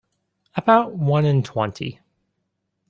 About one in twenty.